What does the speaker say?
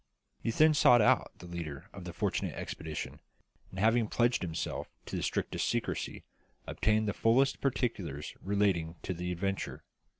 He then sought out the leader of the fortunate expedition, and having pledged himself to the strictest secrecy, obtained the fullest particulars relating to the adventure.